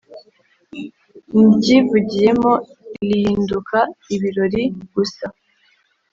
Ndyivugiyemo lihinduka ibiroli gusa!